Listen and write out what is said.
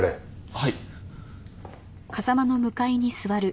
はい。